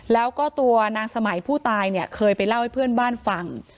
แล้วก็ตัวนางสมัยผู้ตายเนี่ยเคยไปเล่าให้เพื่อนบ้านฟัง